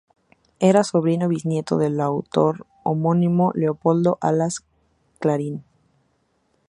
Era sobrino-bisnieto del autor homónimo Leopoldo Alas, Clarín.